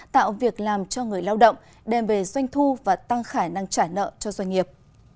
tạo việc làm cho người lao động đem về doanh thu và tăng khả năng trả nợ cho doanh nghiệp